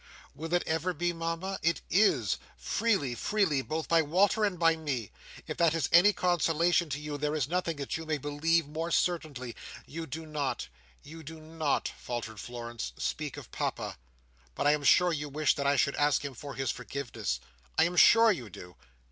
"Will it ever be, Mama? It is! Freely, freely, both by Walter and by me. If that is any consolation to you, there is nothing that you may believe more certainly. You do not—you do not," faltered Florence, "speak of Papa; but I am sure you wish that I should ask him for his forgiveness. I am sure you do."